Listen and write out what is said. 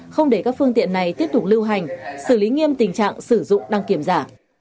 không để các phương tiện này tiếp tục lưu hành xử lý nghiêm tình trạng sử dụng đăng kiểm giả